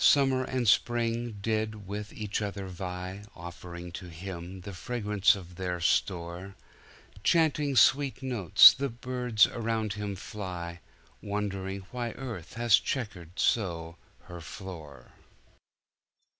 Summer and spring did with each other vie, Offering to Him the fragrance of their store; Chanting sweet notes, the birds around him fly, Wondering why earth had checkered so her floor.